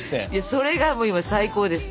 それがもう今最高です。